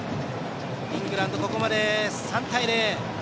イングランド、ここまで３対０。